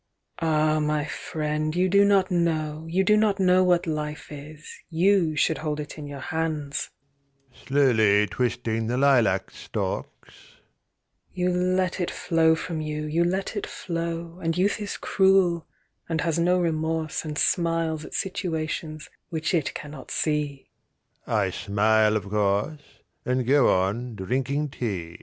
"Ah, my friend, you do not know, you do not know What life is, you should hold it in your hands"; (Slowly twisting the lilac stalks) "You let it flow from you, you let it flow, And youth is cruel, and has no remorse And smiles at situations which it cannot see." I smile, of course, And go on drinking tea.